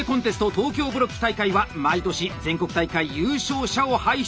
東京ブロック大会は毎年全国大会優勝者を輩出。